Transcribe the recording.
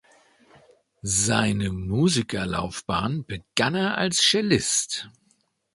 Seine Musikerlaufbahn begann er als Cellist.